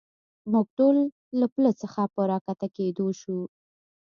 موږ ټول له پله څخه په را کښته کېدو شو.